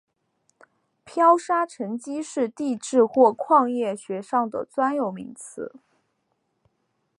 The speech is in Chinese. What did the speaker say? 漂砂沉积是地质或矿业学上的专有名词。